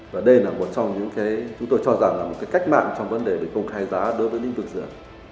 và đây là một trong những cái chúng tôi cho rằng là một cái cách mạng trong vấn đề về công khai giá đối với lĩnh vực dựa